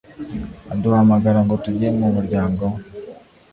aduhamagara, ngo tujye mu muryango we